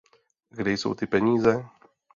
Kde jsou ty peníze?